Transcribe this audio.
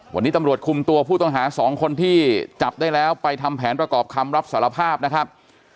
วันนี้ตำรวจคุมตัวผู้ต้องหาสองคนที่จับได้แล้วไปทำแผนประกอบคำรับสารภาพนะครับ